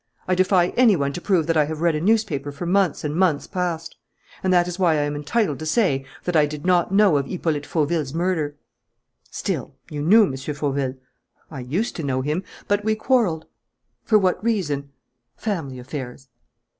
I defy any one to prove that I have read a newspaper for months and months past. And that is why I am entitled to say that I did not know of Hippolyte Fauville's murder." "Still, you knew M. Fauville." "I used to know him, but we quarrelled." "For what reason?" "Family affairs."